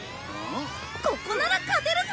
ここなら勝てるぞ！